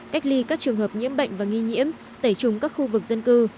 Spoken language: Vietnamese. cách ly các trường hợp nhiễm bệnh và nghi nhiễm tẩy trùng các khu vực dân cư